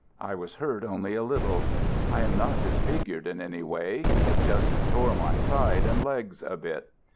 I was hurt only a little. I am not disfigured in any way. It just tore my side and legs a bit.